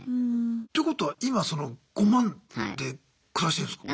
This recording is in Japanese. てことは今その５万で暮らしてるんすか？